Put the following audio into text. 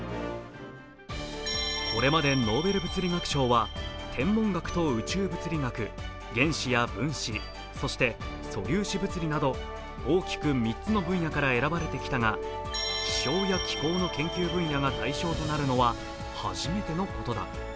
これまでノーベル物理学賞は天文学と宇宙物理学原子や分子、そして素粒子物理など大きく３つの分野から選ばれてきたが、気象や気候の件気分屋が受賞するのは初めてのことだ。